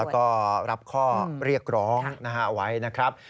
แล้วก็รับข้อเรียกร้องไว้นะครับ